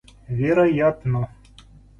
Вероятно